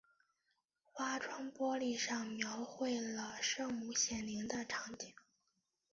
花窗玻璃上描绘了圣母显灵的场景。